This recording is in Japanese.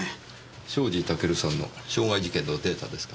庄司タケルさんの傷害事件のデータですか。